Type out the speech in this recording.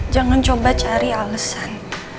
jangan coba cari alesan